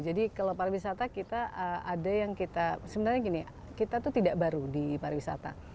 jadi kalau pariwisata kita ada yang kita sebenarnya gini kita tuh tidak baru di pariwisata